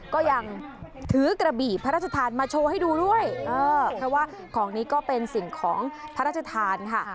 ก็ยังถือกระบี่พระราชทานมาโชว์ให้ดูด้วยเออเพราะว่าของนี้ก็เป็นสิ่งของพระราชทานค่ะ